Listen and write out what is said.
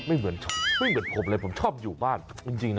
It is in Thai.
ไม่เหมือนผมเลยผมชอบอยู่บ้านจริงนะ